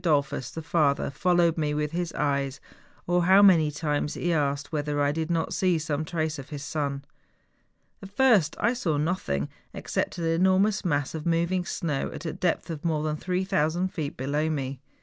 Dollfus, the father, followed me with his eyes, or how many times he asked whether I did not see some trace of his son. At first I saw nothing except an enor¬ mous mass of moving snow at a depth of more than 3000 feet below me.